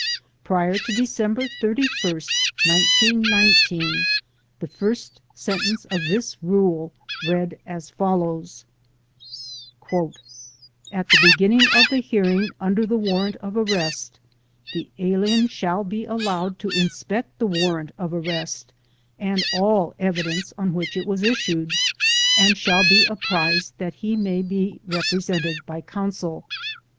Prior to December 31, 1919, the first sentence of this rule read as follows: ''At the beginning of the hearing under the warrant of arrest the alien shall be allowed to inspect the warrant of arrest and all evidence on which it was issued, and shall be apprised that he may be represented by counsel."